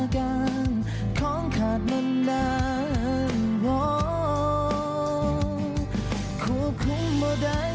แค่ครั้งหนึ่งก็ยังดี